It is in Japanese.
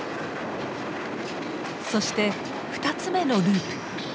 そして２つ目のループ。